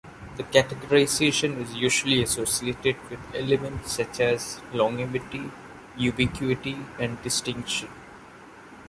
The categorization is usually associated with elements such as longevity, ubiquity, and distinction.